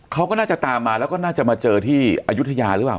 เขาก็น่าจะตามมาแล้วก็น่าจะมาเจอที่อายุทยาหรือเปล่า